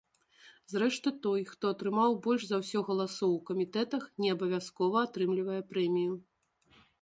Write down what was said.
Зрэшты, той, хто атрымаў больш за ўсё галасоў у камітэтах, не абавязкова атрымлівае прэмію.